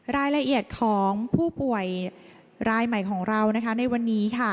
รายละเอียดของผู้ป่วยรายใหม่ของเราในวันนี้ค่ะ